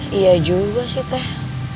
dia juga sih teh